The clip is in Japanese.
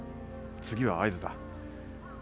次は会津だ。